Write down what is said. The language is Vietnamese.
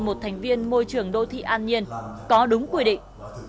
một thành viên môi trường đô thị an nhiên có đúng quy định